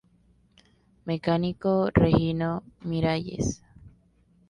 Mecánico Regino Miralles.